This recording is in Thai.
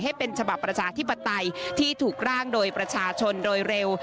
ให้เป็นฉบับประชาธิปไตยที่ถูกร่างโดยประชาชนโดยเร็ว